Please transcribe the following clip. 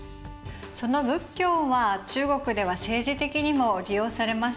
その仏教は中国では政治的にも利用されましたよね。